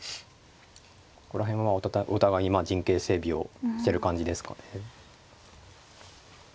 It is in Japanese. ここら辺はお互いに陣形整備をしてる感じですかね。